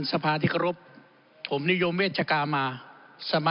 ครับครับพอแล้วครับ